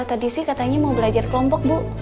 tadi sih katanya mau belajar kelompok bu